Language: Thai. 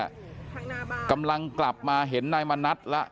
ทางหน้าบ้านกำลังกลับมาเห็นนายมะนัดแล้ว